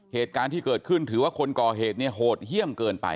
เหตุการณ์ที่เกิดขึ้นถือว่าคนก่อเหตุเนี่ยโหดเยี่ยมเกินไป